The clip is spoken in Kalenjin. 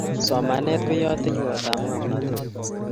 somanet ko yateywotap ngomnotet